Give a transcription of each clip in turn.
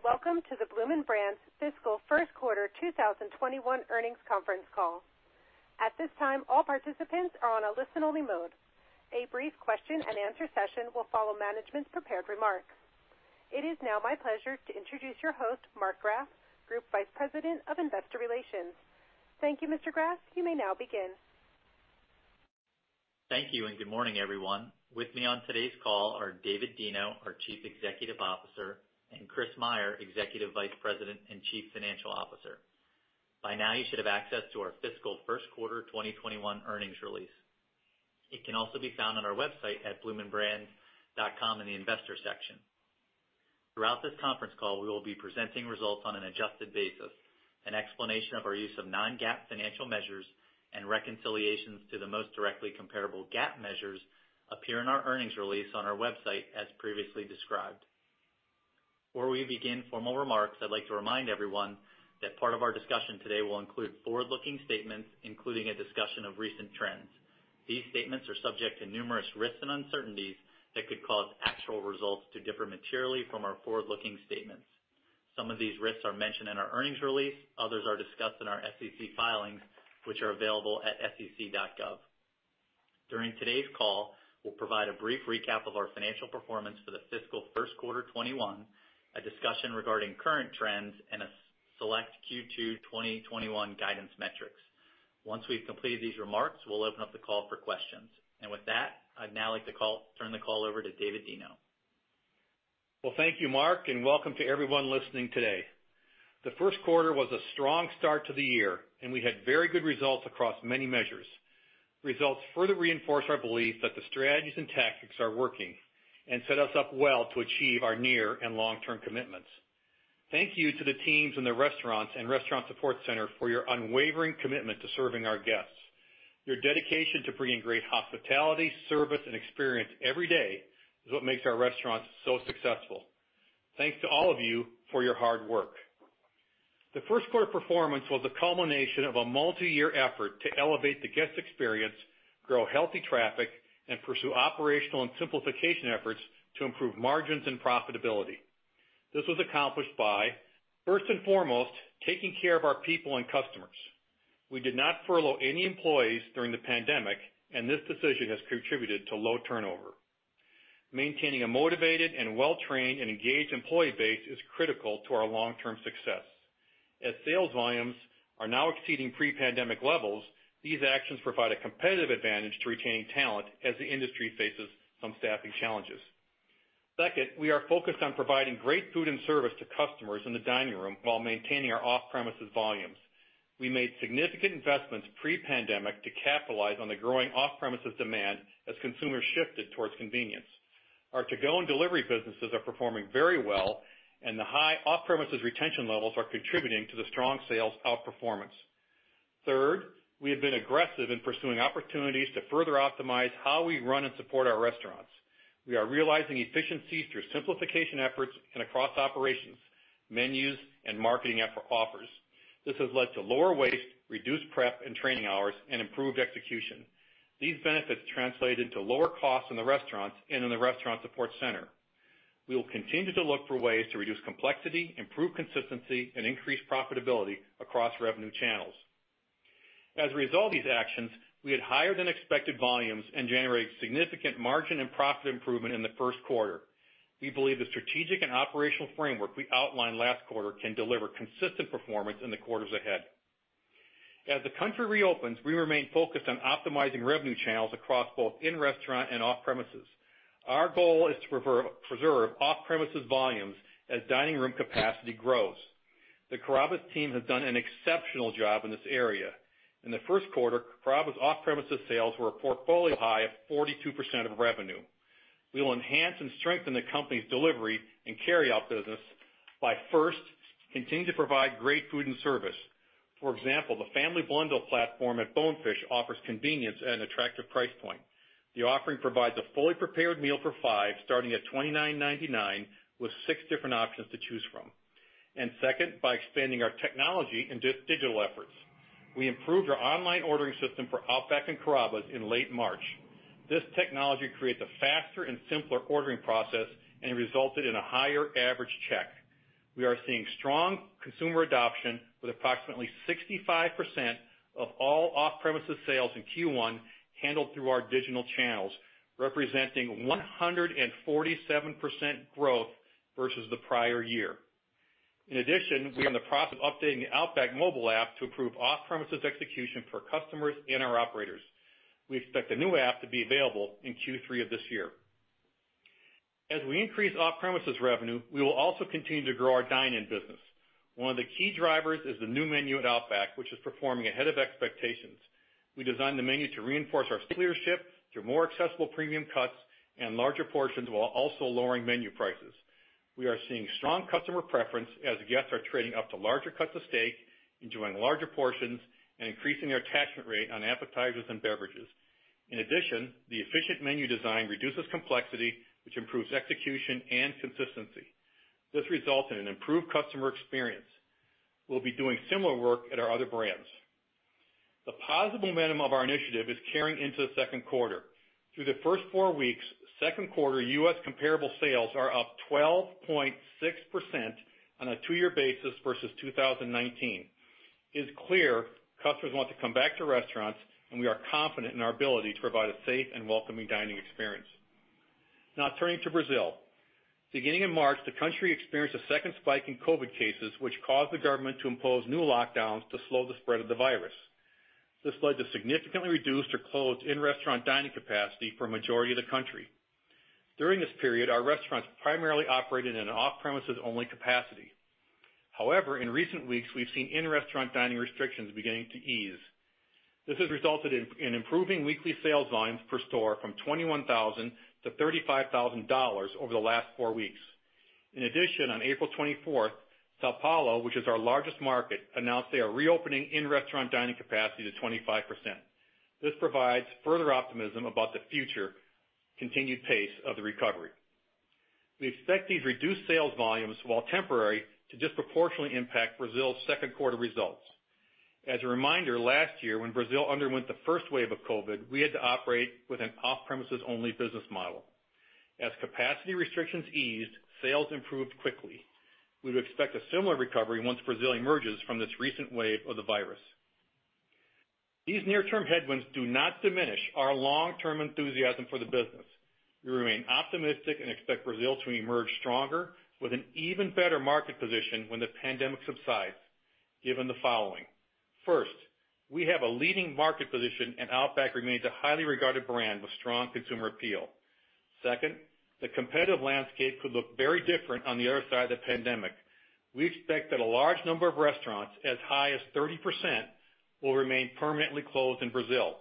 Greetings, and welcome to the Bloomin' Brands Fiscal First Quarter 2021 Earnings Conference Call. At this time, all participants are on a listen-only mode. A brief question-and-answer session will follow management's prepared remarks. It is now my pleasure to introduce your host, Mark Graff, Group Vice President of Investor Relations. Thank you, Mr. Graff. You may now begin. Thank you. Good morning, everyone. With me on today's call are David Deno, our Chief Executive Officer, and Chris Meyer, Executive Vice President and Chief Financial Officer. By now, you should have access to our fiscal first quarter 2021 earnings release. It can also be found on our website at bloominbrands.com in the investor section. Throughout this conference call, we will be presenting results on an adjusted basis. An explanation of our use of non-GAAP financial measures and reconciliations to the most directly comparable GAAP measures appear in our earnings release on our website, as previously described. Before we begin formal remarks, I'd like to remind everyone that part of our discussion today will include forward-looking statements, including a discussion of recent trends. These statements are subject to numerous risks and uncertainties that could cause actual results to differ materially from our forward-looking statements. Some of these risks are mentioned in our earnings release. Others are discussed in our SEC filings, which are available at sec.gov. During today's call, we'll provide a brief recap of our financial performance for the fiscal first quarter 2021, a discussion regarding current trends, and select Q2 2021 guidance metrics. Once we've completed these remarks, we'll open up the call for questions. With that, I'd now like to turn the call over to David Deno. Well, thank you, Mark, and welcome to everyone listening today. The first quarter was a strong start to the year, and we had very good results across many measures. Results further reinforce our belief that the strategies and tactics are working and set us up well to achieve our near and long-term commitments. Thank you to the teams and the restaurants and restaurant support center for your unwavering commitment to serving our guests. Your dedication to bringing great hospitality, service, and experience every day is what makes our restaurants so successful. Thanks to all of you for your hard work. The first quarter performance was a culmination of a multiyear effort to elevate the guest experience, grow healthy traffic, and pursue operational and simplification efforts to improve margins and profitability. This was accomplished by, first and foremost, taking care of our people and customers. We did not furlough any employees during the pandemic, and this decision has contributed to low turnover. Maintaining a motivated and well-trained and engaged employee base is critical to our long-term success. As sales volumes are now exceeding pre-pandemic levels, these actions provide a competitive advantage to retaining talent as the industry faces some staffing challenges. Second, we are focused on providing great food and service to customers in the dining room while maintaining our off-premises volumes. We made significant investments pre-pandemic to capitalize on the growing off-premises demand as consumers shifted towards convenience. Our to-go and delivery businesses are performing very well, and the high off-premises retention levels are contributing to the strong sales outperformance. Third, we have been aggressive in pursuing opportunities to further optimize how we run and support our restaurants. We are realizing efficiencies through simplification efforts and across operations, menus, and marketing offers. This has led to lower waste, reduced prep and training hours, and improved execution. These benefits translate into lower costs in the restaurants and in the restaurant support center. We will continue to look for ways to reduce complexity, improve consistency, and increase profitability across revenue channels. As a result of these actions, we had higher than expected volumes and generated significant margin and profit improvement in the first quarter. We believe the strategic and operational framework we outlined last quarter can deliver consistent performance in the quarters ahead. As the country reopens, we remain focused on optimizing revenue channels across both in-restaurant and off-premises. Our goal is to preserve off-premises volumes as dining room capacity grows. The Carrabba's team has done an exceptional job in this area. In the first quarter, Carrabba's off-premises sales were a portfolio high of 42% of revenue. We will enhance and strengthen the company's delivery and carry-out business by, first, continuing to provide great food and service. For example, the family bundle platform at Bonefish offers convenience at an attractive price point. The offering provides a fully prepared meal for five, starting at $29.99, with six different options to choose from. Second, by expanding our technology and digital efforts. We improved our online ordering system for Outback and Carrabba's in late March. This technology creates a faster and simpler ordering process and resulted in a higher average check. We are seeing strong consumer adoption with approximately 65% of all off-premises sales in Q1 handled through our digital channels, representing 147% growth versus the prior year. In addition, we are in the process of updating the Outback mobile app to improve off-premises execution for customers and our operators. We expect the new app to be available in Q3 of this year. As we increase off-premises revenue, we will also continue to grow our dine-in business. One of the key drivers is the new menu at Outback, which is performing ahead of expectations. We designed the menu to reinforce our leadership through more accessible premium cuts and larger portions while also lowering menu prices. We are seeing strong customer preference as guests are trading up to larger cuts of steak, enjoying larger portions, and increasing their attachment rate on appetizers and beverages. In addition, the efficient menu design reduces complexity, which improves execution and consistency. This results in an improved customer experience. We'll be doing similar work at our other brands. The positive momentum of our initiative is carrying into the second quarter. Through the first four weeks, second quarter U.S. comparable sales are up 12.6% on a two-year basis versus 2019. It is clear customers want to come back to restaurants, we are confident in our ability to provide a safe and welcoming dining experience. Now turning to Brazil. Beginning in March, the country experienced a second spike in COVID cases, which caused the government to impose new lockdowns to slow the spread of the virus. This led to significantly reduced or closed in-restaurant dining capacity for a majority of the country. During this period, our restaurants primarily operated in an off-premises only capacity. In recent weeks, we've seen in-restaurant dining restrictions beginning to ease. This has resulted in improving weekly sales volumes per store from $21,000-$35,000 over the last four weeks. In addition, on April 24th, São Paulo, which is our largest market, announced they are reopening in-restaurant dining capacity to 25%. This provides further optimism about the future continued pace of the recovery. We expect these reduced sales volumes, while temporary, to disproportionately impact Brazil's second quarter results. As a reminder, last year, when Brazil underwent the first wave of COVID, we had to operate with an off-premises only business model. As capacity restrictions eased, sales improved quickly. We would expect a similar recovery once Brazil emerges from this recent wave of the virus. These near-term headwinds do not diminish our long-term enthusiasm for the business. We remain optimistic and expect Brazil to emerge stronger with an even better market position when the pandemic subsides, given the following. First, we have a leading market position, and Outback remains a highly regarded brand with strong consumer appeal. Second, the competitive landscape could look very different on the other side of the pandemic. We expect that a large number of restaurants, as high as 30%, will remain permanently closed in Brazil.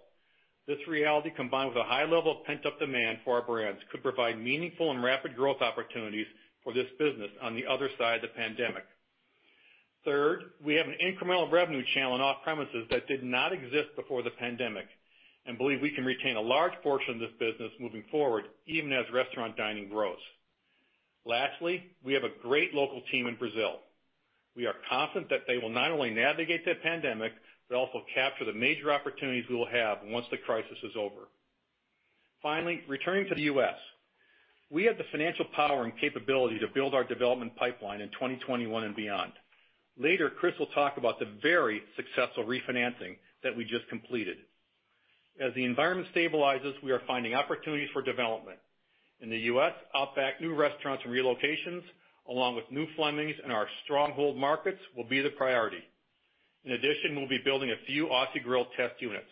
This reality, combined with a high level of pent-up demand for our brands, could provide meaningful and rapid growth opportunities for this business on the other side of the pandemic. Third, we have an incremental revenue channel in off-premises that did not exist before the pandemic and believe we can retain a large portion of this business moving forward, even as restaurant dining grows. Lastly, we have a great local team in Brazil. We are confident that they will not only navigate the pandemic, but also capture the major opportunities we will have once the crisis is over. Finally, returning to the U.S. We have the financial power and capability to build our development pipeline in 2021 and beyond. Later, Chris will talk about the very successful refinancing that we just completed. As the environment stabilizes, we are finding opportunities for development. In the U.S., Outback new restaurants and relocations, along with new Fleming's in our stronghold markets, will be the priority. In addition, we'll be building a few Aussie Grill test units.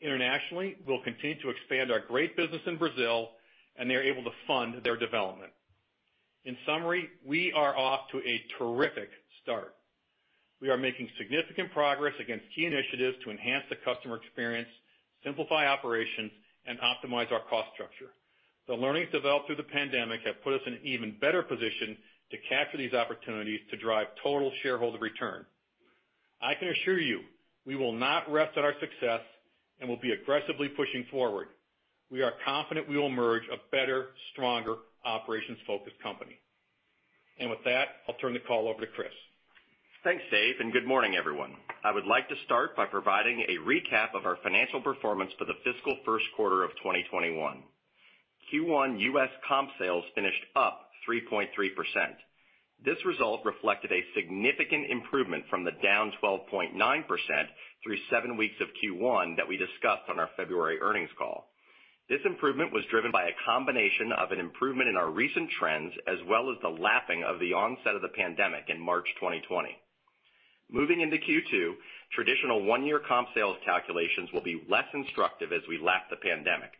Internationally, we'll continue to expand our great business in Brazil, and they are able to fund their development. In summary, we are off to a terrific start. We are making significant progress against key initiatives to enhance the customer experience, simplify operations, and optimize our cost structure. The learnings developed through the pandemic have put us in an even better position to capture these opportunities to drive total shareholder return. I can assure you, we will not rest on our success and will be aggressively pushing forward. We are confident we will emerge a better, stronger, operations-focused company. With that, I'll turn the call over to Chris. Thanks, Dave, and good morning, everyone. I would like to start by providing a recap of our financial performance for the fiscal first quarter of 2021. Q1 U.S. comp sales finished up 3.3%. This result reflected a significant improvement from the down 12.9% through seven weeks of Q1 that we discussed on our February earnings call. This improvement was driven by a combination of an improvement in our recent trends, as well as the lapping of the onset of the pandemic in March 2020. Moving into Q2, traditional one-year comp sales calculations will be less instructive as we lap the pandemic.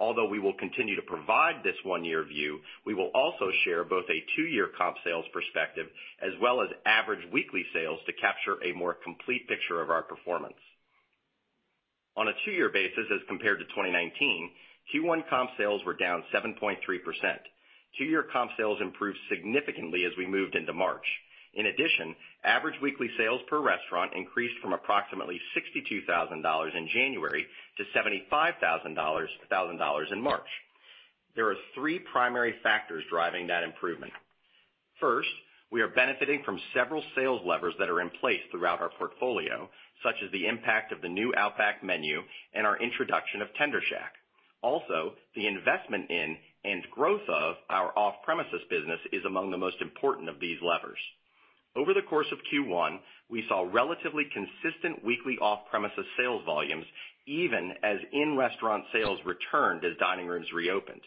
Although we will continue to provide this one-year view, we will also share both a two-year comp sales perspective as well as average weekly sales to capture a more complete picture of our performance. On a two-year basis, as compared to 2019, Q1 comp sales were down 7.3%. Two-year comp sales improved significantly as we moved into March. In addition, average weekly sales per restaurant increased from approximately $62,000 in January to $75,000 in March. There are three primary factors driving that improvement. First, we are benefiting from several sales levers that are in place throughout our portfolio, such as the impact of the new Outback menu and our introduction of Tender Shack. Also, the investment in and growth of our off-premises business is among the most important of these levers. Over the course of Q1, we saw relatively consistent weekly off-premises sales volumes, even as in-restaurant sales returned as dining rooms reopened.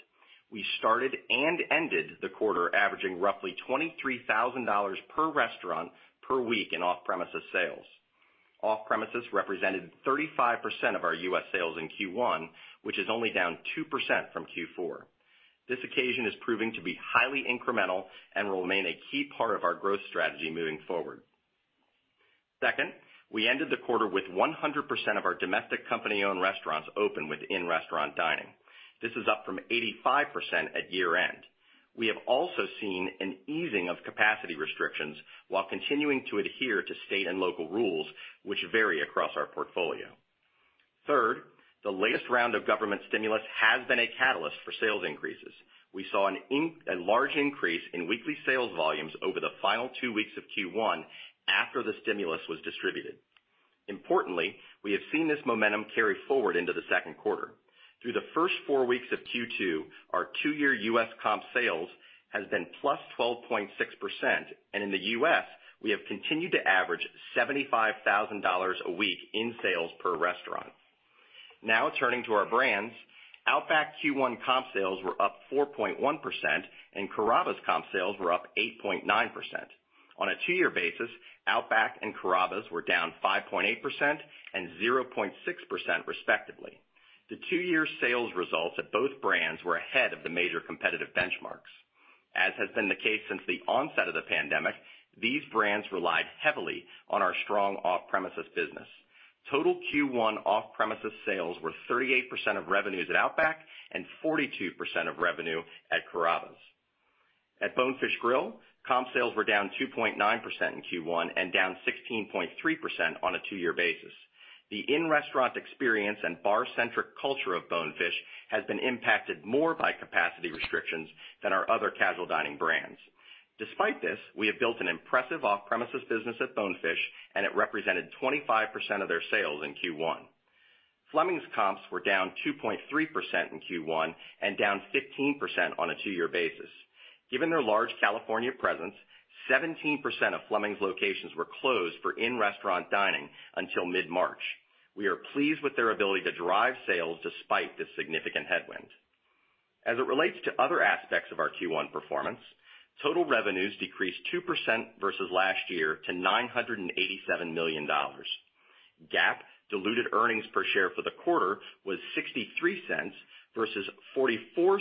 We started and ended the quarter averaging roughly $23,000 per restaurant per week in off-premises sales. Off-premises represented 35% of our U.S. sales in Q1, which is only down 2% from Q4. This occasion is proving to be highly incremental and will remain a key part of our growth strategy moving forward. Second, we ended the quarter with 100% of our domestic company-owned restaurants open with in-restaurant dining. This is up from 85% at year-end. We have also seen an easing of capacity restrictions while continuing to adhere to state and local rules, which vary across our portfolio. Third, the latest round of government stimulus has been a catalyst for sales increases. We saw a large increase in weekly sales volumes over the final two weeks of Q1 after the stimulus was distributed. Importantly, we have seen this momentum carry forward into the second quarter. Through the first four weeks of Q2, our two-year U.S. comp sales has been +12.6%, and in the U.S., we have continued to average $75,000 a week in sales per restaurant. Now turning to our brands, Outback Q1 comp sales were up 4.1%, and Carrabba's comp sales were up 8.9%. On a two-year basis, Outback and Carrabba's were down 5.8% and 0.6% respectively. The two-year sales results at both brands were ahead of the major competitive benchmarks. As has been the case since the onset of the pandemic, these brands relied heavily on our strong off-premises business. Total Q1 off-premises sales were 38% of revenues at Outback and 42% of revenue at Carrabba's. At Bonefish Grill, comp sales were down 2.9% in Q1 and down 16.3% on a two-year basis. The in-restaurant experience and bar-centric culture of Bonefish has been impacted more by capacity restrictions than our other casual dining brands. Despite this, we have built an impressive off-premises business at Bonefish, and it represented 25% of their sales in Q1. Fleming's comps were down 2.3% in Q1 and down 15% on a two-year basis. Given their large California presence, 17% of Fleming's locations were closed for in-restaurant dining until mid-March. We are pleased with their ability to drive sales despite this significant headwind. As it relates to other aspects of our Q1 performance, total revenues decreased 2% versus last year to $987 million. GAAP diluted earnings per share for the quarter was $0.63 versus $0.44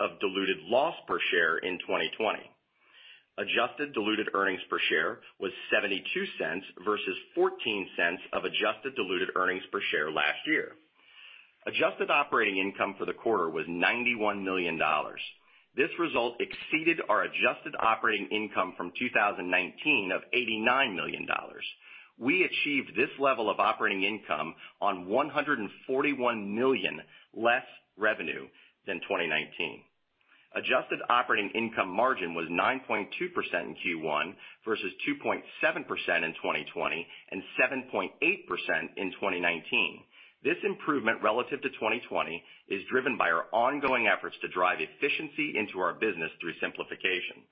of diluted loss per share in 2020. Adjusted diluted earnings per share was $0.72 versus $0.14 of adjusted diluted earnings per share last year. Adjusted operating income for the quarter was $91 million. This result exceeded our adjusted operating income from 2019 of $89 million. We achieved this level of operating income on $141 million less revenue than 2019. Adjusted operating income margin was 9.2% in Q1 versus 2.7% in 2020 and 7.8% in 2019. This improvement relative to 2020 is driven by our ongoing efforts to drive efficiency into our business through simplification.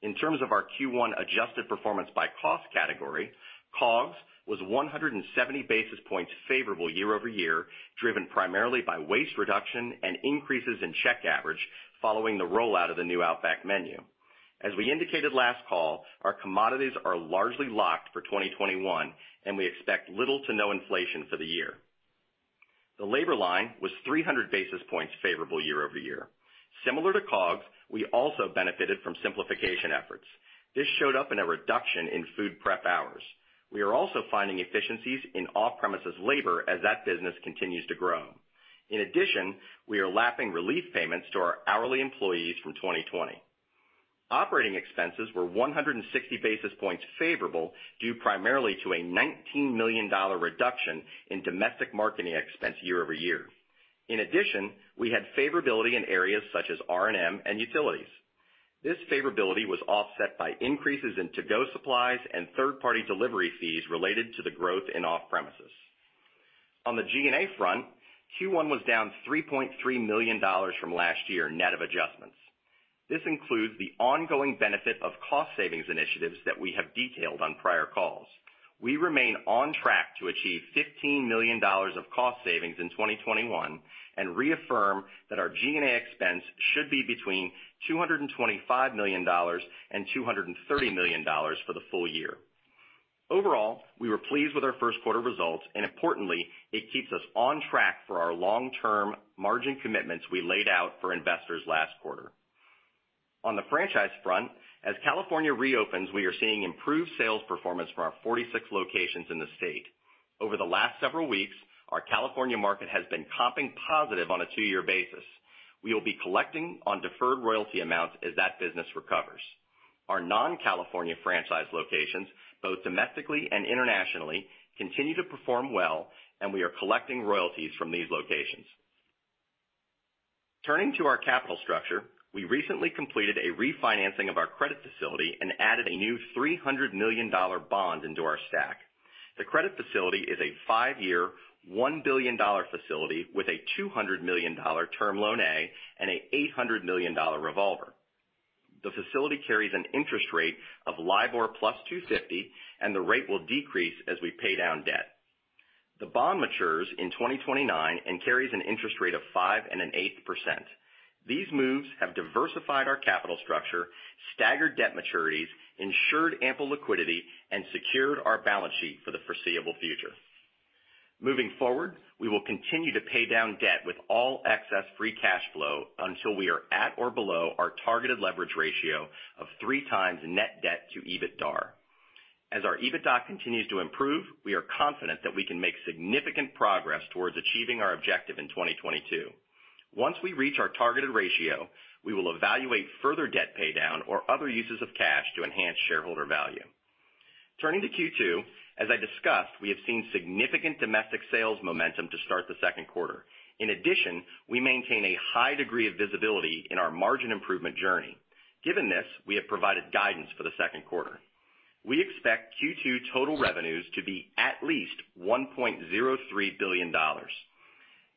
In terms of our Q1 adjusted performance by cost category, COGS was 170 basis points favorable year-over-year, driven primarily by waste reduction and increases in check average following the rollout of the new Outback menu. As we indicated last call, our commodities are largely locked for 2021, and we expect little to no inflation for the year. The labor line was 300 basis points favorable year-over-year. Similar to COGS, we also benefited from simplification efforts. This showed up in a reduction in food prep hours. We are also finding efficiencies in off-premises labor as that business continues to grow. In addition, we are lapping relief payments to our hourly employees from 2020. Operating expenses were 160 basis points favorable due primarily to a $19 million reduction in domestic marketing expense year-over-year. In addition, we had favorability in areas such as R&M and utilities. This favorability was offset by increases in to-go supplies and third-party delivery fees related to the growth in off-premises. On the G&A front, Q1 was down $3.3 million from last year, net of adjustments. This includes the ongoing benefit of cost savings initiatives that we have detailed on prior calls. We remain on track to achieve $15 million of cost savings in 2021 and reaffirm that our G&A expense should be between $225 million and $230 million for the full-year. Overall, we were pleased with our first quarter results, and importantly, it keeps us on track for our long-term margin commitments we laid out for investors last quarter. On the franchise front, as California reopens, we are seeing improved sales performance from our 46 locations in the state. Over the last several weeks, our California market has been comping positive on a two-year basis. We will be collecting on deferred royalty amounts as that business recovers. Our non-California franchise locations, both domestically and internationally, continue to perform well, and we are collecting royalties from these locations. Turning to our capital structure, we recently completed a refinancing of our credit facility and added a new $300 million bond into our stack. The credit facility is a five-year, $1 billion facility with a $200 million term loan A and an $800 million revolver. The facility carries an interest rate of LIBOR plus 250, and the rate will decrease as we pay down debt. The bond matures in 2029 and carries an interest rate of 5.8%. These moves have diversified our capital structure, staggered debt maturities, ensured ample liquidity, and secured our balance sheet for the foreseeable future. Moving forward, we will continue to pay down debt with all excess free cash flow until we are at or below our targeted leverage ratio of 3x net debt to EBITDA. As our EBITDA continues to improve, we are confident that we can make significant progress towards achieving our objective in 2022. Once we reach our targeted ratio, we will evaluate further debt paydown or other uses of cash to enhance shareholder value. Turning to Q2, as I discussed, we have seen significant domestic sales momentum to start the second quarter. In addition, we maintain a high degree of visibility in our margin improvement journey. Given this, we have provided guidance for the second quarter. We expect Q2 total revenues to be at least $1.03 billion.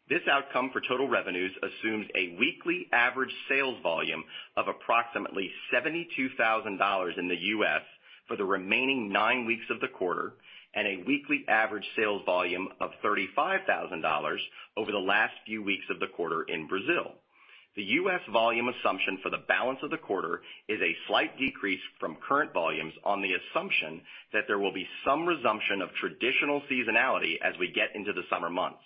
This outcome for total revenues assumes a weekly average sales volume of approximately $72,000 in the U.S. for the remaining nine weeks of the quarter, and a weekly average sales volume of $35,000 over the last few weeks of the quarter in Brazil. The U.S. volume assumption for the balance of the quarter is a slight decrease from current volumes on the assumption that there will be some resumption of traditional seasonality as we get into the summer months.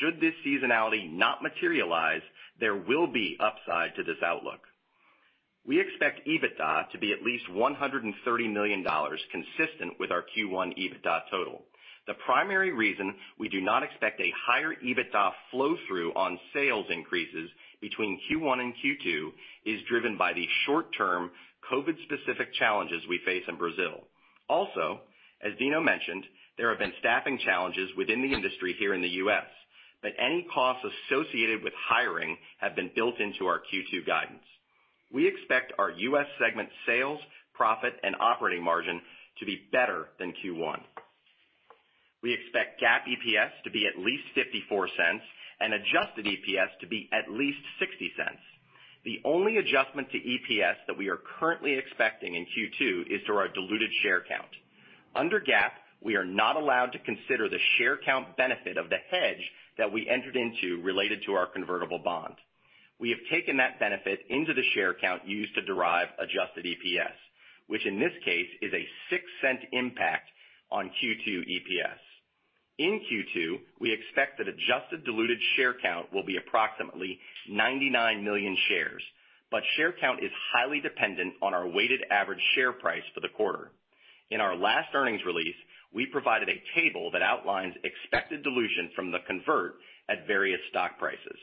Should this seasonality not materialize, there will be upside to this outlook. We expect EBITDA to be at least $130 million, consistent with our Q1 EBITDA total. The primary reason we do not expect a higher EBITDA flow-through on sales increases between Q1 and Q2 is driven by the short-term, COVID-specific challenges we face in Brazil. Also, as Deno mentioned, there have been staffing challenges within the industry here in the U.S., but any costs associated with hiring have been built into our Q2 guidance. We expect our U.S. segment sales, profit, and operating margin to be better than Q1. We expect GAAP EPS to be at least $0.54 and adjusted EPS to be at least $0.60. The only adjustment to EPS that we are currently expecting in Q2 is to our diluted share count. Under GAAP, we are not allowed to consider the share count benefit of the hedge that we entered into related to our convertible bond. We have taken that benefit into the share count used to derive adjusted EPS, which in this case is a $0.06 impact on Q2 EPS. In Q2, we expect that adjusted diluted share count will be approximately 99 million shares. Share count is highly dependent on our weighted average share price for the quarter. In our last earnings release, we provided a table that outlines expected dilution from the convert at various stock prices.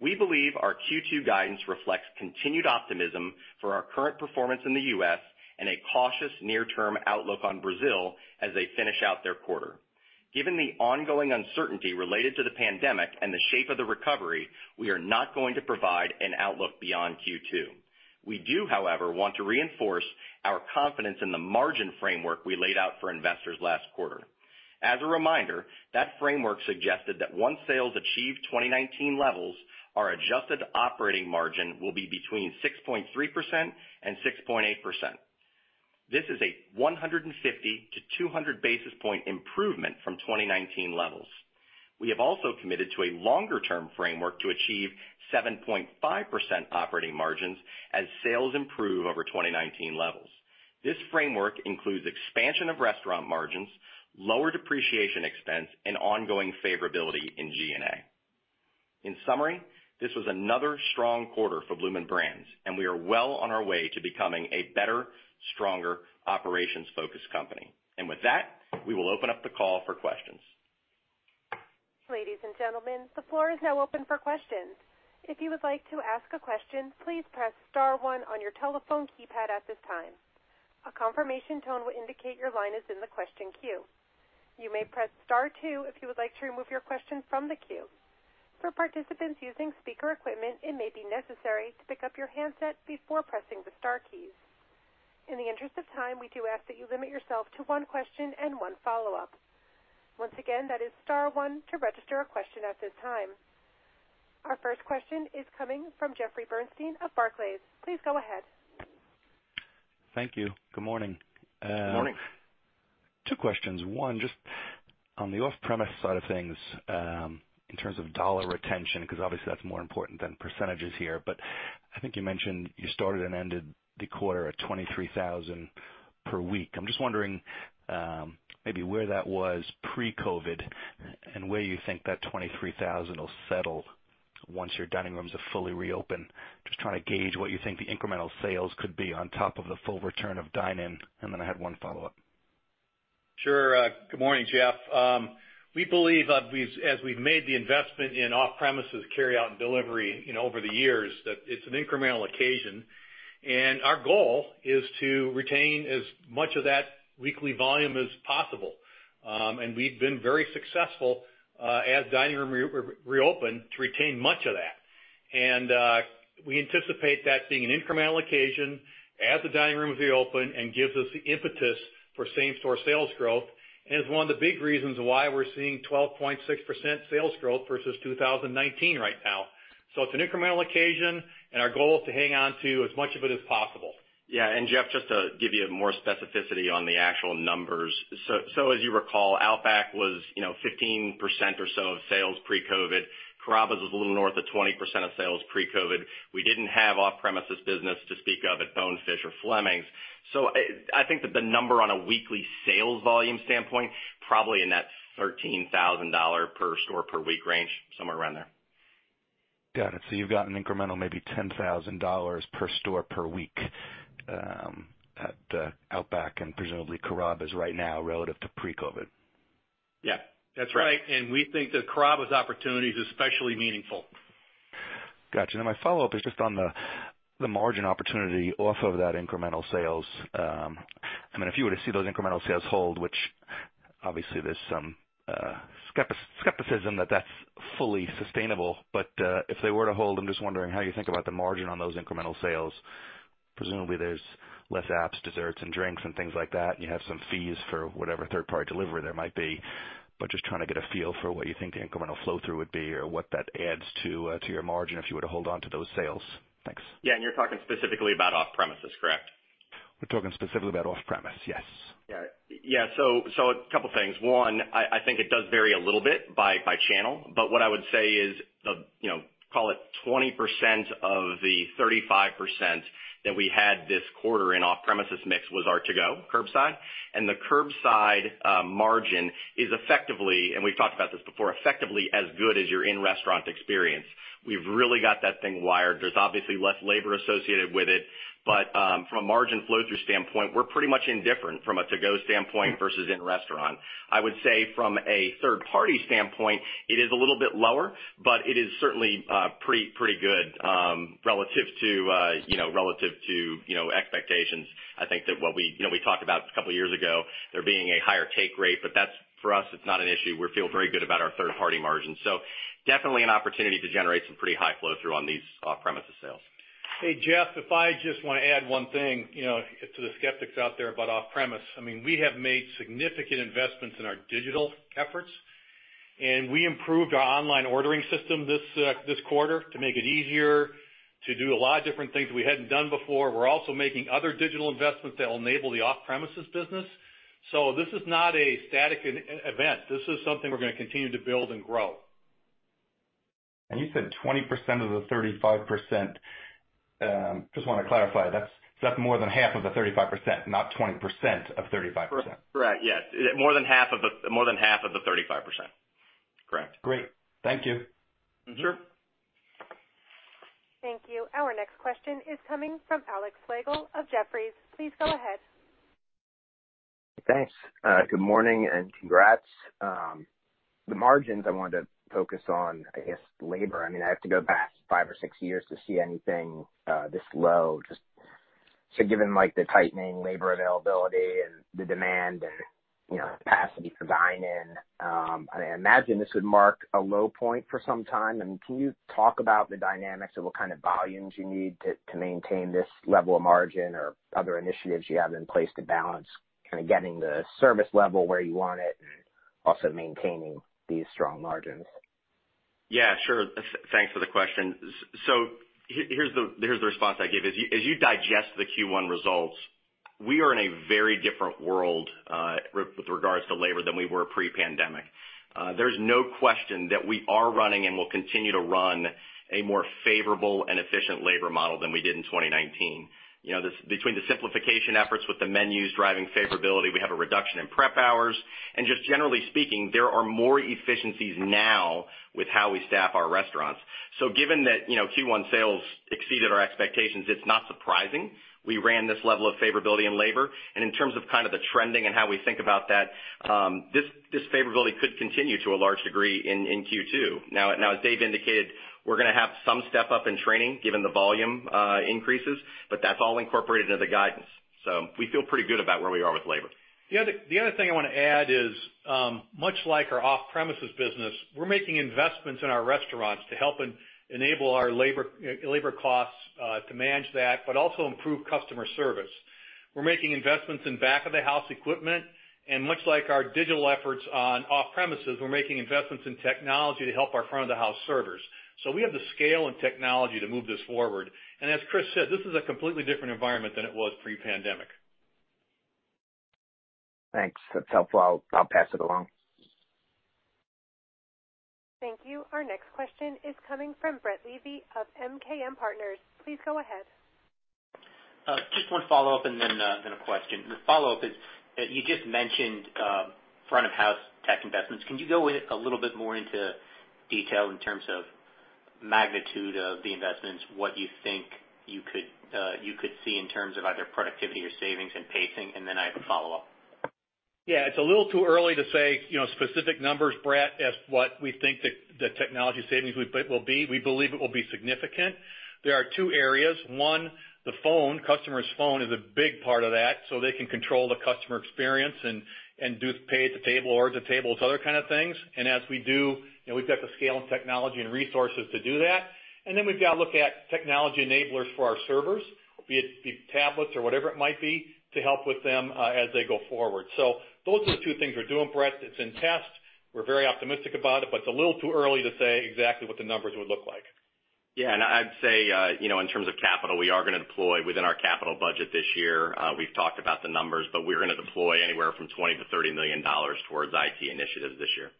We believe our Q2 guidance reflects continued optimism for our current performance in the U.S. and a cautious near-term outlook on Brazil as they finish out their quarter. Given the ongoing uncertainty related to the pandemic and the shape of the recovery, we are not going to provide an outlook beyond Q2. We do, however, want to reinforce our confidence in the margin framework we laid out for investors last quarter. As a reminder, that framework suggested that once sales achieve 2019 levels, our adjusted operating margin will be between 6.3% and 6.8%. This is a 150 to 200 basis point improvement from 2019 levels. We have also committed to a longer-term framework to achieve 7.5% operating margins as sales improve over 2019 levels. This framework includes expansion of restaurant margins, lower depreciation expense, and ongoing favorability in G&A. In summary, this was another strong quarter for Bloomin' Brands, we are well on our way to becoming a better, stronger, operations-focused company. With that, we will open up the call for questions. Our first question is coming from Jeffrey Bernstein of Barclays. Please go ahead. Thank you. Good morning. Good morning. Two questions. One, just on the off-premise side of things, in terms of dollar retention, because obviously that's more important than percentages here, but I think you mentioned you started and ended the quarter at 23,000 per week. I'm just wondering maybe where that was pre-COVID and where you think that 23,000 will settle once your dining rooms are fully reopened. Just trying to gauge what you think the incremental sales could be on top of the full return of dine-in, and then I had one follow-up. Sure. Good morning, Jeff. We believe as we've made the investment in off-premises carryout and delivery over the years, that it's an incremental occasion. Our goal is to retain as much of that weekly volume as possible. We've been very successful, as dining room reopened, to retain much of that. We anticipate that being an incremental occasion as the dining rooms reopen and gives us the impetus for same-store sales growth, and is one of the big reasons why we're seeing 12.6% sales growth versus 2019 right now. It's an incremental occasion, and our goal is to hang on to as much of it as possible. Yeah. Jeffrey Bernstein, just to give you more specificity on the actual numbers. As you recall, Outback was 15% or so of sales pre-COVID. Carrabba's was a little north of 20% of sales pre-COVID. We didn't have off-premises business to speak of at Bonefish or Fleming's. I think that the number on a weekly sales volume standpoint, probably in that $13,000 per store per week range, somewhere around there. Got it. You've got an incremental maybe $10,000 per store per week at Outback and presumably Carrabba's right now relative to pre-COVID. Yeah. That's right. We think that Carrabba's opportunity is especially meaningful Got you. My follow-up is just on the margin opportunity off of that incremental sales. If you were to see those incremental sales hold, which obviously there's some skepticism that that's fully sustainable, but if they were to hold, I'm just wondering how you think about the margin on those incremental sales. Presumably there's less apps, desserts, and drinks and things like that, and you have some fees for whatever third-party delivery there might be, but just trying to get a feel for what you think the incremental flow-through would be or what that adds to your margin if you were to hold onto those sales. Thanks. Yeah, you're talking specifically about off-premises, correct? We're talking specifically about off-premise, yes. Yeah. A couple of things. One, I think it does vary a little bit by channel, but what I would say is call it 20% of the 35% that we had this quarter in off-premises mix was our to-go curbside. The curbside margin is effectively, and we've talked about this before, effectively as good as your in-restaurant experience. We've really got that thing wired. There's obviously less labor associated with it, but from a margin flow-through standpoint, we're pretty much indifferent from a to-go standpoint versus in-restaurant. I would say from a third party standpoint, it is a little bit lower, but it is certainly pretty good relative to expectations. I think that what we talked about a couple of years ago, there being a higher take rate, but that for us, it's not an issue. We feel very good about our third party margin. Definitely an opportunity to generate some pretty high flow through on these off-premises sales. Jeff, I just want to add one thing to the skeptics out there about off-premise. We have made significant investments in our digital efforts, we improved our online ordering system this quarter to make it easier to do a lot of different things we hadn't done before. We're also making other digital investments that'll enable the off-premises business. This is not a static event. This is something we're going to continue to build and grow. You said 20% of the 35%. Just want to clarify, that's more than half of the 35%, not 20% of 35%. Correct. Yes. More than half of the 35%. Correct. Great. Thank you. Sure. Thank you. Our next question is coming from Alex Slagle of Jefferies. Please go ahead. Thanks. Good morning and congrats. The margins I wanted to focus on, I guess labor. I have to go back five or six years to see anything this low. Given the tightening labor availability and the demand and capacity for dine in, I imagine this would mark a low point for some time. Can you talk about the dynamics of what kind of volumes you need to maintain this level of margin or other initiatives you have in place to balance kind of getting the service level where you want it and also maintaining these strong margins? Yeah, sure. Thanks for the question. Here's the response I give. As you digest the Q1 results, we are in a very different world with regards to labor than we were pre-pandemic. There's no question that we are running and will continue to run a more favorable and efficient labor model than we did in 2019. Between the simplification efforts with the menus driving favorability, we have a reduction in prep hours, and just generally speaking, there are more efficiencies now with how we staff our restaurants. Given that Q1 sales exceeded our expectations, it's not surprising we ran this level of favorability in labor. In terms of the trending and how we think about that, this favorability could continue to a large degree in Q2. As Dave indicated, we're going to have some step-up in training given the volume increases, but that's all incorporated into the guidance. We feel pretty good about where we are with labor. The other thing I want to add is, much like our off-premises business, we're making investments in our restaurants to help enable our labor costs to manage that, but also improve customer service. We're making investments in back of the house equipment, much like our digital efforts on off-premises, we're making investments in technology to help our front of the house servers. We have the scale and technology to move this forward. As Chris said, this is a completely different environment than it was pre-pandemic. Thanks. That's helpful. I'll pass it along. Thank you. Our next question is coming from Brett Levy of MKM Partners. Please go ahead. Just one follow-up and then a question. The follow-up is, you just mentioned front of house tech investments. Can you go a little bit more into detail in terms of magnitude of the investments, what you think you could see in terms of either productivity or savings and pacing? I have a follow-up. Yeah, it's a little too early to say specific numbers, Brett, as what we think the technology savings will be. We believe it will be significant. There are two areas. One, the phone. Customer's phone is a big part of that, so they can control the customer experience and do pay at the table, order at the table, those other kind of things. As we do, we've got the scale and technology and resources to do that. Then we've got to look at technology enablers for our servers, be it tablets or whatever it might be, to help with them as they go forward. Those are the two things we're doing, Brett. It's in test. We're very optimistic about it, but it's a little too early to say exactly what the numbers would look like. Yeah, I'd say in terms of capital, we are going to deploy within our capital budget this year. We've talked about the numbers, but we're going to deploy anywhere from $20 million-$30 million towards IT initiatives this year.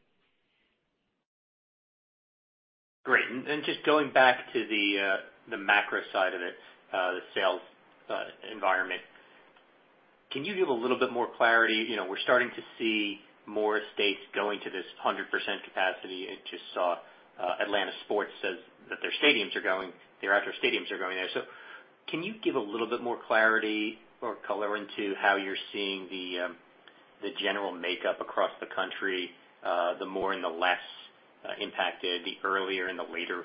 Great. Just going back to the macro side of it, the sales environment. Can you give a little bit more clarity? We're starting to see more states going to this 100% capacity. I just saw Atlanta Braves says that their outdoor stadiums are going there. Can you give a little bit more clarity or color into how you're seeing the general makeup across the country, the more and the less impacted, the earlier and the later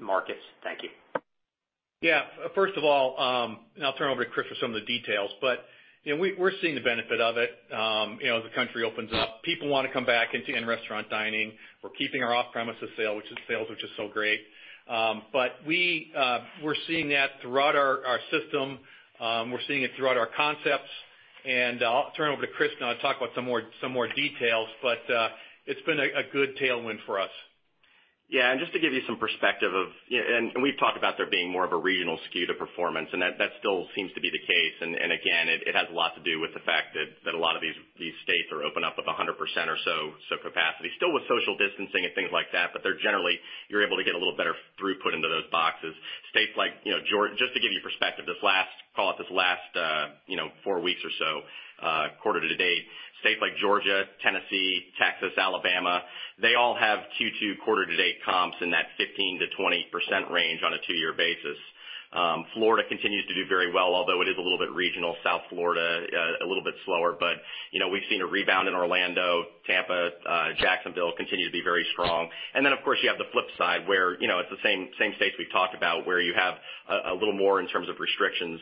markets. Thank you. Yeah. First of all, I'll turn over to Chris for some of the details. We're seeing the benefit of it. As the country opens up, people want to come back into in-restaurant dining. We're keeping our off-premises sales, which is still great. We're seeing that throughout our system. We're seeing it throughout our concepts. I'll turn it over to Chris to now talk about some more details, but it's been a good tailwind for us. Just to give you some perspective, and we've talked about there being more of a regional skew to performance, and that still seems to be the case. Again, it has a lot to do with the fact that a lot of these states are opened up of 100% or so capacity. Still with social distancing and things like that, they're generally, you're able to get a little better throughput into those boxes. Just to give you perspective, call it this last four weeks or so, quarter-to-date, states like Georgia, Tennessee, Texas, Alabama, they all have Q2 quarter-to-date comps in that 15%-20% range on a two-year basis. Florida continues to do very well, although it is a little bit regional. South Florida, a little bit slower, we've seen a rebound in Orlando, Tampa. Jacksonville continue to be very strong. Of course, you have the flip side, where it's the same states we've talked about where you have a little more in terms of restrictions.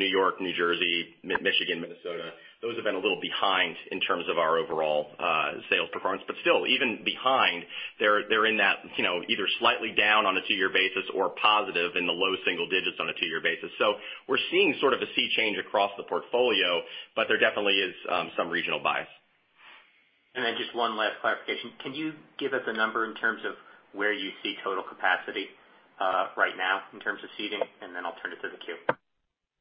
New York, New Jersey, Michigan, Minnesota. Those have been a little behind in terms of our overall sales performance. Still, even behind, they're in that either slightly down on a two-year basis or positive in the low single digits on a two-year basis. We're seeing sort of a sea change across the portfolio, but there definitely is some regional bias. Just one last clarification. Can you give us a number in terms of where you see total capacity right now in terms of seating? I'll turn it to the queue.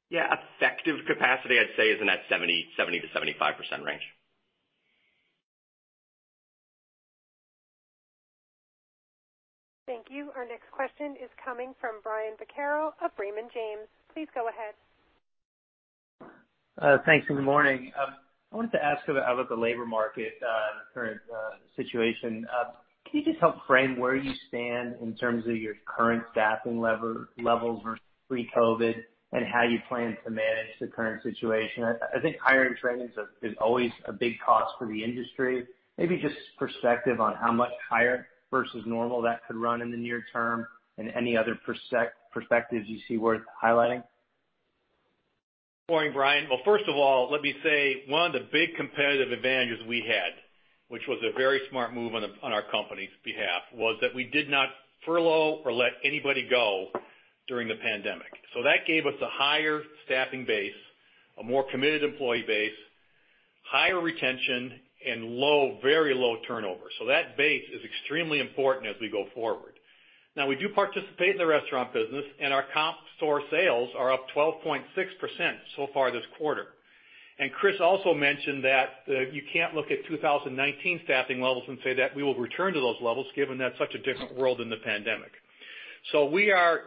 Yeah. Effective capacity, I'd say, is in that 70%-75% range. Thank you. Our next question is coming from Brian Vaccaro of Raymond James. Please go ahead. Thanks, and good morning. I wanted to ask about the labor market current situation. Can you just help frame where you stand in terms of your current staffing levels versus pre-COVID, and how you plan to manage the current situation? I think hire and training is always a big cost for the industry. Maybe just perspective on how much higher versus normal that could run in the near term, and any other perspectives you see worth highlighting. Morning, Brian. Well, first of all, let me say, one of the big competitive advantages we had, which was a very smart move on our company's behalf, was that we did not furlough or let anybody go during the pandemic. That gave us a higher staffing base, a more committed employee base, higher retention, and very low turnover. That base is extremely important as we go forward. Now, we do participate in the restaurant business. Our comp store sales are up 12.6% so far this quarter. Chris also mentioned that you can't look at 2019 staffing levels and say that we will return to those levels given that's such a different world in the pandemic. We are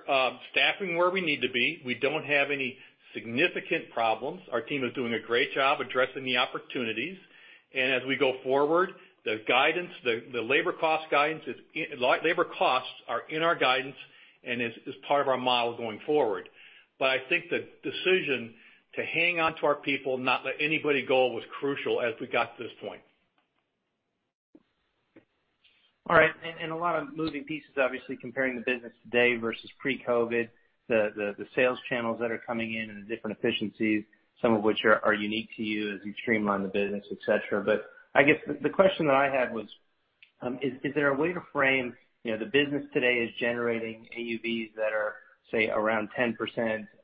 staffing where we need to be. We don't have any significant problems. Our team is doing a great job addressing the opportunities. As we go forward, the labor costs are in our guidance and is part of our model going forward. I think the decision to hang on to our people, not let anybody go, was crucial as we got to this point. All right. A lot of moving pieces, obviously, comparing the business today versus pre-COVID. The sales channels that are coming in and the different efficiencies, some of which are unique to you as you streamline the business, et cetera. I guess the question that I had was, is there a way to frame the business today as generating AUVs that are, say, around 10%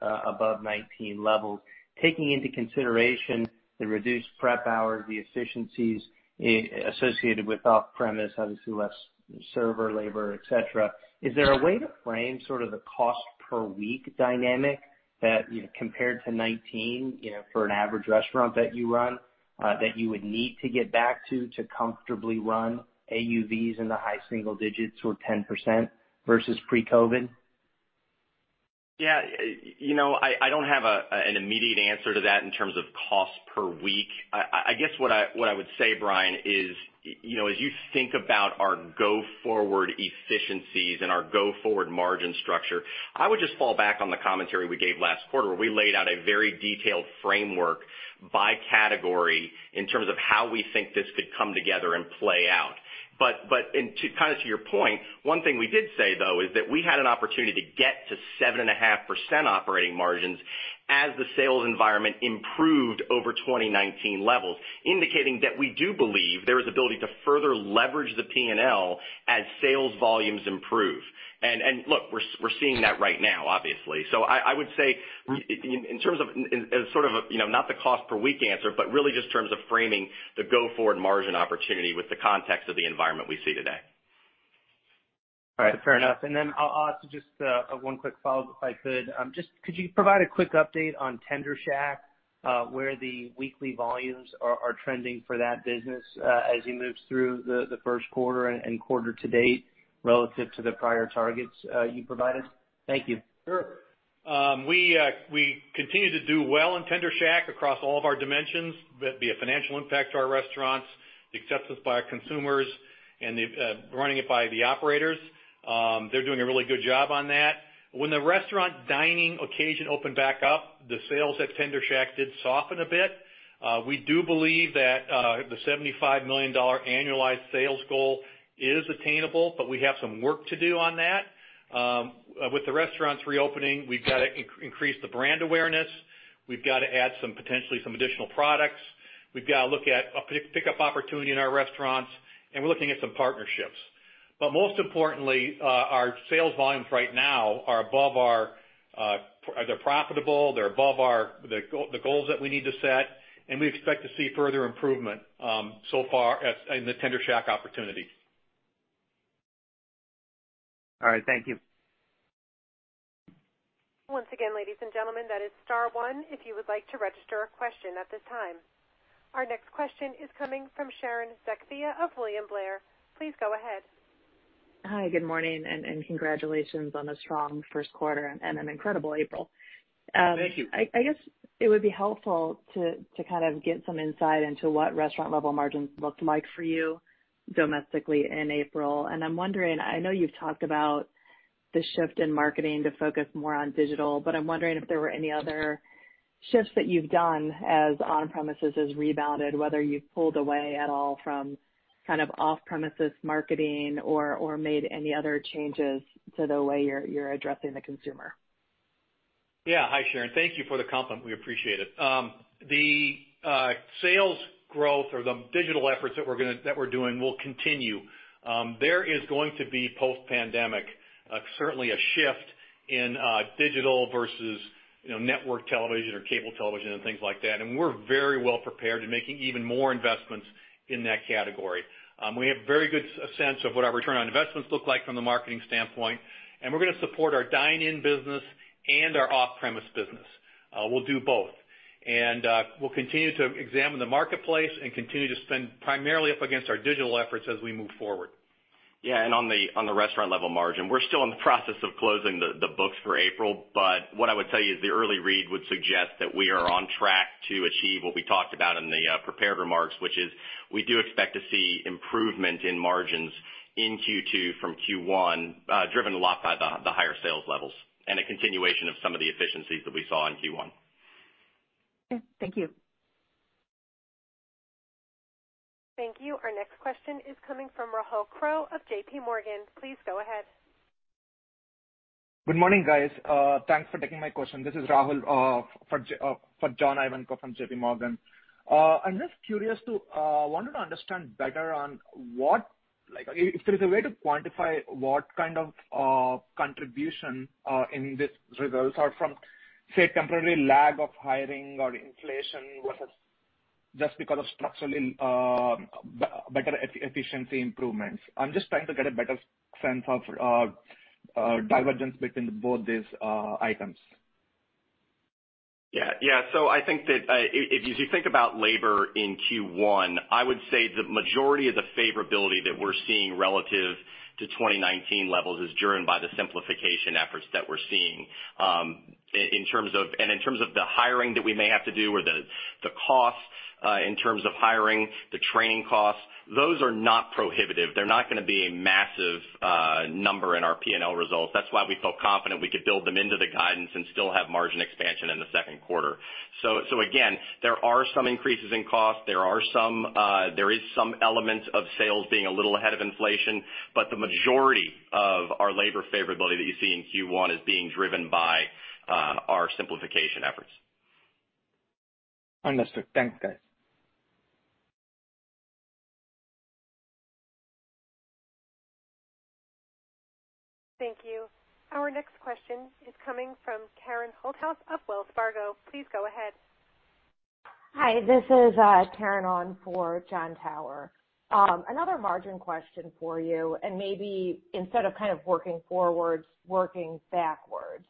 above 2019 levels? Taking into consideration the reduced prep hours, the efficiencies associated with off-premise, obviously less server labor, et cetera, is there a way to frame sort of the cost per week dynamic that compared to 2019 for an average restaurant that you run, that you would need to get back to comfortably run AUVs in the high single digits or 10% versus pre-COVID? Yeah. I don't have an immediate answer to that in terms of cost per week. I guess what I would say, Brian, is as you think about our go forward efficiencies and our go forward margin structure, I would just fall back on the commentary we gave last quarter where we laid out a very detailed framework by category in terms of how we think this could come together and play out. To your point, one thing we did say, though, is that we had an opportunity to get to 7.5% operating margins as the sales environment improved over 2019 levels, indicating that we do believe there is ability to further leverage the P&L as sales volumes improve. Look, we're seeing that right now, obviously. I would say in terms of not the cost per week answer, but really just in terms of framing the go forward margin opportunity with the context of the environment we see today. All right. Fair enough. I'll ask just one quick follow up, if I could. Just could you provide a quick update on Tender Shack, where the weekly volumes are trending for that business as you move through the first quarter and quarter to date relative to the prior targets you provided? Thank you. Sure. We continue to do well in Tender Shack across all of our dimensions, that be a financial impact to our restaurants, the acceptance by our consumers and running it by the operators. They're doing a really good job on that. When the restaurant dining occasion opened back up, the sales at Tender Shack did soften a bit. We do believe that the $75 million annualized sales goal is attainable, but we have some work to do on that. With the restaurants reopening, we've got to increase the brand awareness. We've got to add potentially some additional products. We've got to look at a pickup opportunity in our restaurants, and we're looking at some partnerships. Most importantly, our sales volumes right now, they're profitable, they're above the goals that we need to set, and we expect to see further improvement so far in the Tender Shack opportunity. All right. Thank you. Once again, ladies and gentlemen, that is star one if you would like to register a question at this time. Our next question is coming from Sharon Zackfia of William Blair. Please go ahead. Hi, good morning, and congratulations on a strong first quarter and an incredible April. Thank you. I guess it would be helpful to kind of get some insight into what restaurant-level margins looked like for you domestically in April. I'm wondering, I know you've talked about the shift in marketing to focus more on digital, but I'm wondering if there were any other shifts that you've done as on-premises has rebounded, whether you've pulled away at all from kind of off-premises marketing or made any other changes to the way you're addressing the consumer. Hi, Sharon. Thank you for the compliment. We appreciate it. The sales growth or the digital efforts that we're doing will continue. There is going to be post-pandemic, certainly a shift in digital versus network television or cable television and things like that. We're very well prepared in making even more investments in that category. We have a very good sense of what our return on investments look like from the marketing standpoint, and we're going to support our dine-in business and our off-premise business. We'll do both. We'll continue to examine the marketplace and continue to spend primarily up against our digital efforts as we move forward. Yeah. On the restaurant-level margin, we're still in the process of closing the books for April, but what I would tell you is the early read would suggest that we are on track to achieve what we talked about in the prepared remarks, which is we do expect to see improvement in margins in Q2 from Q1, driven a lot by the higher sales levels and a continuation of some of the efficiencies that we saw in Q1. Okay. Thank you. Thank you. Our next question is coming from Rahul Krott of JPMorgan. Please go ahead. Good morning, guys. Thanks for taking my question. This is Rahul for John Ivankoe from JPMorgan. Wanted to understand better on what, if there is a way to quantify what kind of contribution in these results are from, say, temporary lag of hiring or inflation versus just because of structurally better efficiency improvements. I'm just trying to get a better sense of divergence between both these items. Yeah. I think that if you think about labor in Q1, I would say the majority of the favorability that we're seeing relative to 2019 levels is driven by the simplification efforts that we're seeing. In terms of the hiring that we may have to do or the cost in terms of hiring, the training costs, those are not prohibitive. They're not going to be a massive number in our P&L results. That's why we felt confident we could build them into the guidance and still have margin expansion in the second quarter. Again, there are some increases in cost. There is some element of sales being a little ahead of inflation, the majority of our labor favorability that you see in Q1 is being driven by our simplification efforts. Understood. Thanks, guys. Thank you. Our next question is coming from Karen Holthouse of Wells Fargo. Please go ahead. Hi. This is Karen on for Jon Tower. Another margin question for you, maybe instead of kind of working forwards, working backwards.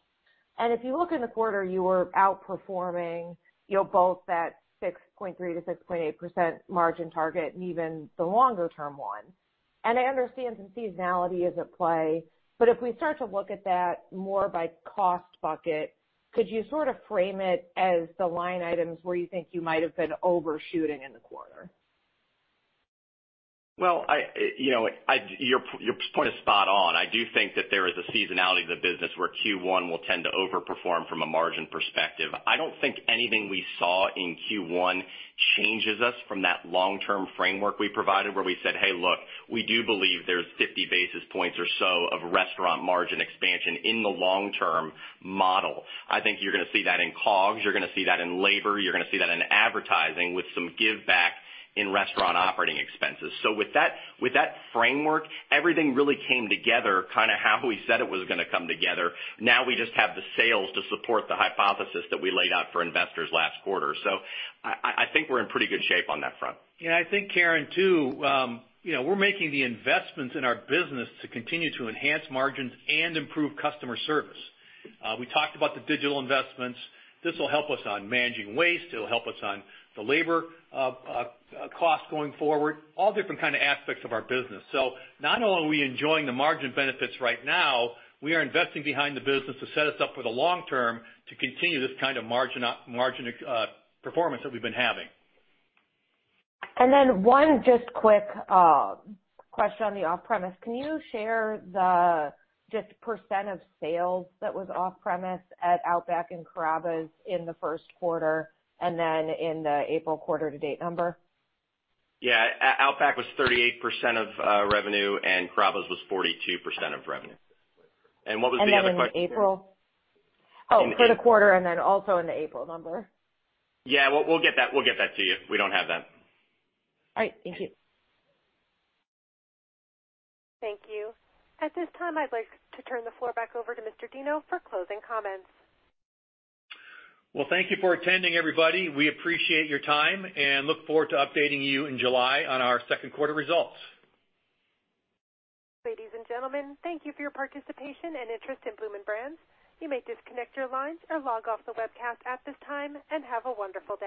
If you look in the quarter, you were outperforming both that 6.3%-6.8% margin target and even the longer-term one. I understand some seasonality is at play, but if we start to look at that more by cost bucket, could you sort of frame it as the line items where you think you might have been overshooting in the quarter? Well, your point is spot on. I do think that there is a seasonality to the business where Q1 will tend to overperform from a margin perspective. I don't think anything we saw in Q1 changes us from that long-term framework we provided where we said, "Hey, look, we do believe there's 50 basis points or so of restaurant margin expansion in the long-term model." I think you're going to see that in COGS, you're going to see that in labor, you're going to see that in advertising with some giveback in restaurant operating expenses. With that framework, everything really came together kind of how we said it was going to come together. Now we just have the sales to support the hypothesis that we laid out for investors last quarter. I think we're in pretty good shape on that front. I think, Karen, too, we're making the investments in our business to continue to enhance margins and improve customer service. We talked about the digital investments. This will help us on managing waste. It'll help us on the labor cost going forward, all different kind of aspects of our business. Not only are we enjoying the margin benefits right now, we are investing behind the business to set us up for the long term to continue this kind of margin performance that we've been having. One just quick question on the off-premise. Can you share the just percent of sales that was off-premise at Outback and Carrabba's in the first quarter and then in the April quarter to date number? Yeah. Outback was 38% of revenue, and Carrabba's was 42% of revenue. What was the other question? In April? For the quarter, also in the April number. Yeah. We'll get that to you. We don't have that. All right. Thank you. Thank you. At this time, I'd like to turn the floor back over to Mr. Deno for closing comments. Thank you for attending, everybody. We appreciate your time and look forward to updating you in July on our second quarter results. Ladies and gentlemen, thank you for your participation and interest in Bloomin' Brands. You may disconnect your lines or log off the webcast at this time, and have a wonderful day.